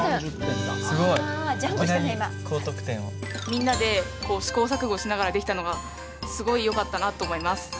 みんなで試行錯誤しながらできたのがすごいよかったなと思います。